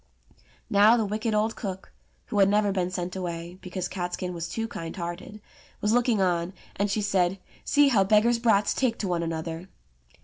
Now the wicked old cook (who had never been sent away, because Catskin was too kind hearted) was looking on, and she said, "See how beggars* brats take to one another